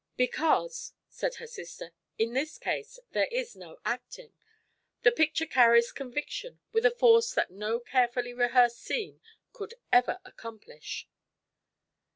"Because," said her sister, "in this case there is no acting. The picture carries conviction with a force that no carefully rehearsed scene could ever accomplish."